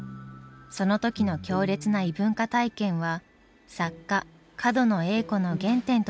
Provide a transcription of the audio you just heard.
その時の強烈な異文化体験は作家角野栄子の原点となりました。